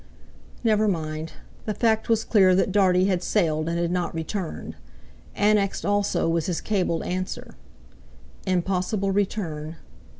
Never mind! The fact was clear that Dartie had sailed and had not returned. Annexed also was his cabled answer: "Impossible return.